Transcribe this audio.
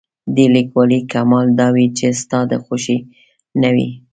د لیکوالۍ کمال دا وي چې ستا د خوښې نه وي.